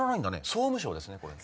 「総務省」ですねこれ。